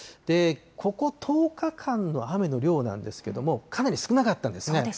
ここ１０日間の雨の量なんですけれども、かなり少なかったんですね。